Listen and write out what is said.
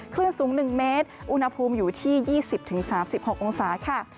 คลื่นสูง๑เมตรอุณหภูมิอยู่ที่๒๐๓๖องศาค่ะ